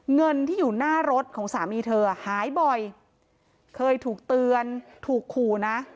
เงินที่อยู่หน้ารถของสามีเธอหายบ่อยเคยถูกเตือนถูกขู่นะ